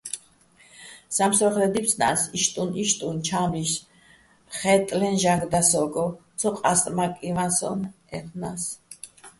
სამსო́ხრე დი́ფცნას, იშტუნ-იშტუნ ჩა́მლიშ ხაჲტტლე́ნო̆ ჟაგნო და სო́გო, ცო ყასტმაკინვა სონ-აჲლნა́ს.